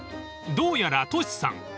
［どうやらトシさん